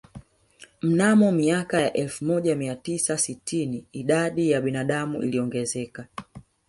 Mnamo miaka ya elfu moja mia tisa sitini idadi ya binadamu iliongezeka